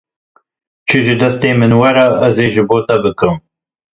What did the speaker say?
Çi ji destên min were ez ê ji bo te bikim.